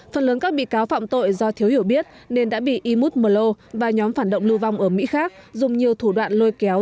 phần lớn các bị cáo phạm tội do thiếu hiểu biết nên đã bị imut mờ lô và nhóm phản động lưu vong ở mỹ khác dùng nhiều thủ đoạn lôi kéo